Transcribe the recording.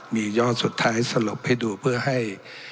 มียอดสุดท้ายสลบให้ดูเพื่อให้